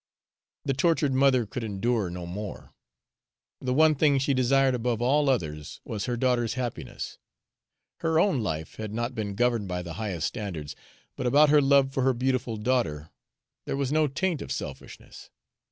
The tortured mother could endure no more. The one thing she desired above all others was her daughter's happiness. Her own life had not been governed by the highest standards, but about her love for her beautiful daughter there was no taint of selfishness.